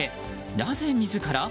なぜ自ら？